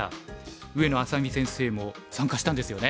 上野愛咲美先生も参加したんですよね？